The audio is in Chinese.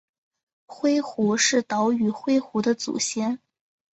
灰狐是岛屿灰狐的祖先。